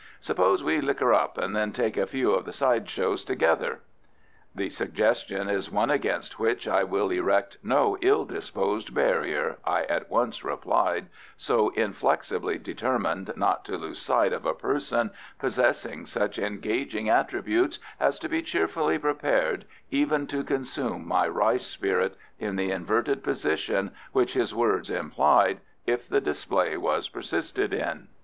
Suppose we liquor up, and then take a few of the side shows together." "The suggestion is one against which I will erect no ill disposed barrier," I at once replied, so inflexibly determined not to lose sight of a person possessing such engaging attributes as to be cheerfully prepared even to consume my rice spirit in the inverted position which his words implied if the display was persisted in.